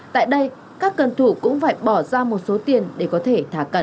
tại đây các cân thủ cũng phải bỏ ra một số tiền để có thể thả cân